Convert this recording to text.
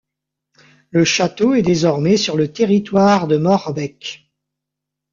Le château est désormais sur le territoire de Morbecque.